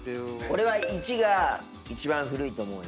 俺は１が一番古いと思うよ。